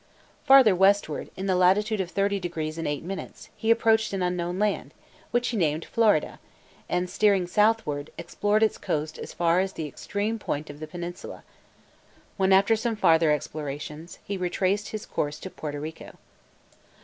Farther westward, in the latitude of thirty degrees and eight minutes, he approached an unknown land, which he named Florida, and, steering southward, explored its coast as far as the extreme point of the peninsula, when, after some farther explorations, he retraced his course to Porto Rico.